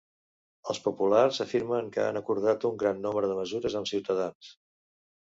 Els populars afirmen que han acordat un gran nombre de mesures amb Ciutadans